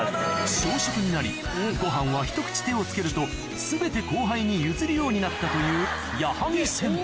小食になりごはんはひと口手を付けると全て後輩に譲るようになったという矢作先輩